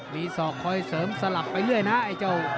มีสอกค่อยเสริมขวัญที่สลับไปเรื่อยนะ